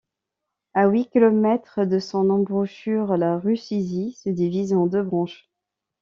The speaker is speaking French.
À huit kilomètres de son embouchure, la Rusizi se divise en deux branches.